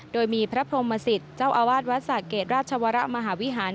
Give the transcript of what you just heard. โดยมีพระพรหมสิตเจ้าอาวาสวัดสะเกดราชวรมหาวิหาร